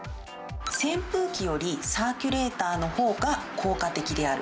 扇風機よりサーキュレーターのほうが効果的である。